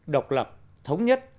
độc lập thống nhất